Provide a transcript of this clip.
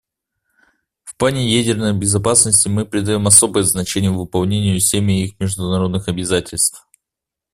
В плане ядерной безопасности мы придаем особое значение выполнению всеми их международных обязательств.